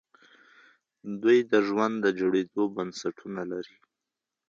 دوی د ژوند د جوړېدو بنسټونه لري.